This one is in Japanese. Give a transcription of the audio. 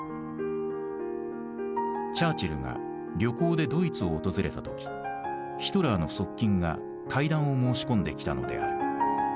チャーチルが旅行でドイツを訪れた時ヒトラーの側近が会談を申し込んできたのである。